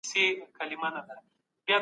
باید خپله داستاني اثر په بشپړ ډول وڅېړل سي.